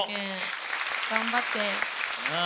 頑張って。